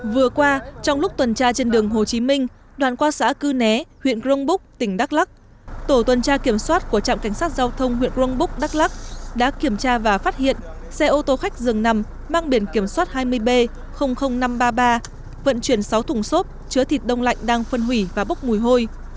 vừa qua trong lúc tuần tra trên đường hồ chí minh đoàn qua xã cư né huyện crong búc tỉnh đắk lắc tổ tuần tra kiểm soát của trạm cảnh sát giao thông huyện crong búc đắk lắc đã kiểm tra và phát hiện xe ô tô khách dường nằm mang biển kiểm soát hai mươi b năm trăm ba mươi ba vận chuyển sáu thùng xốp chứa thịt đông lạnh đang phân hủy và bốc mùi hôi